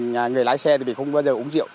người lái xe thì không bao giờ uống rượu